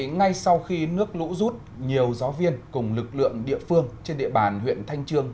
ngay sau khi nước lũ rút nhiều gió viên cùng lực lượng địa phương trên địa bàn huyện thanh trương